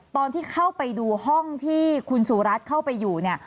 ตอนที่เข้าไปดูห้องที่คุณสุรัตน์เข้าไปอยู่เนี่ย